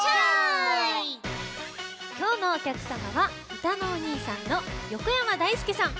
きょうのおきゃくさまはうたのお兄さんの横山だいすけさん。